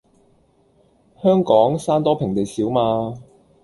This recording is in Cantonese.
香港山多平地少嘛